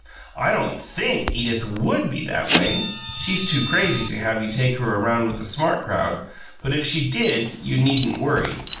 I don't THINK Edith WOULD be that way; she's too crazy to have you take her around with the smart crowd, but if she DID, you needn't worry.